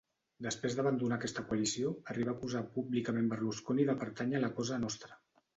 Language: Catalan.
Després d'abandonar aquesta coalició, arribà a acusar públicament Berlusconi de pertànyer a la Cosa Nostra.